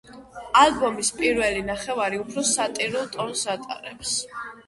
ალბომის პირველი ნახევარი უფრო სატირულ ტონს ატარებს.